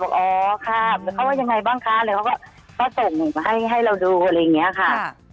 บอกอ๋อค่ะเขาว่ายังไงบ้างคะเลยเขาก็ส่งให้เราดูอะไรอย่างนี้ค่ะ